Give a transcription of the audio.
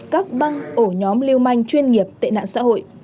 các băng ổ nhóm lưu manh chuyên nghiệp tệ nạn xã hội